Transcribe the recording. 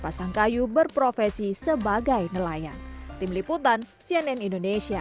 pasangkayu berprofesi sebagai nelayan tim liputan cnn indonesia